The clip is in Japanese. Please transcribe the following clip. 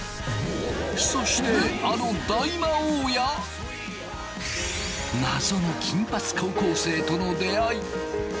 そしてあの大魔王や謎の金髪高校生との出会い。